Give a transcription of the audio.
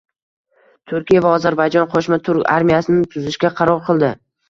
Turkiya va Ozarbayjon qo‘shma turk armiyasini tuzishga qaror qildi